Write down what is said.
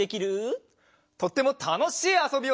とってもたのしいあそびをするよ！